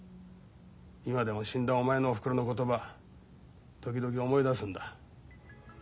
今でも死んだお前のおふくろの言葉時々思い出すんだ。